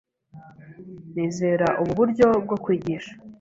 Nizera ubu buryo bwo kwigisha.